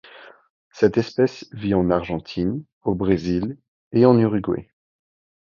Cette espèce vit en Argentine, au Brésil et en Uruguay.